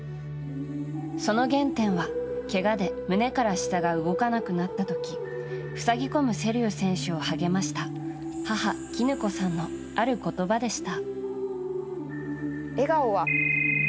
その原点は、けがで胸から下が動かなくなった時ふさぎこむ瀬立選手を励ました母・キヌ子さんのある言葉でした。